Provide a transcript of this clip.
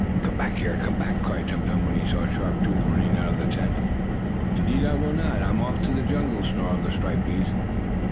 "Come back here! Come back!" cried Tum Tum, when he saw Sharp Tooth running out of the tent. "Indeed I will not! I'm off to the jungle!" snarled the striped beast.